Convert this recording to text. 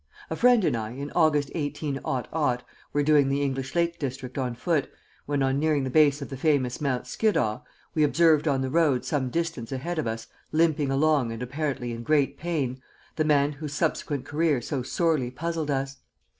A friend and I, in August, 18 , were doing the English Lake District on foot, when, on nearing the base of the famous Mount Skiddaw, we observed on the road, some distance ahead of us, limping along and apparently in great pain, the man whose subsequent career so sorely puzzled us.